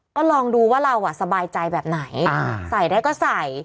ก็ลองดูว่าเราสบายใจแบบไหนใส่ได้ก็ใส่